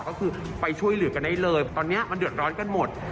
ก็คือไปช่วยเหลือกันได้เลยตอนนี้มันเดือดร้อนกันหมด